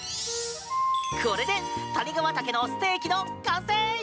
これで谷川茸のステーキの完成。